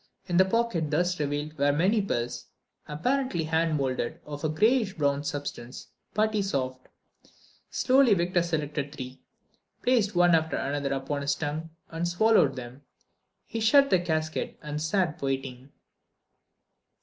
In the pocket thus revealed were many pills, apparently hand moulded, of a grayish brown substance, putty soft. Slowly Victor selected three, placed one after another upon his tongue, and swallowed them. He shut the casket and sat waiting.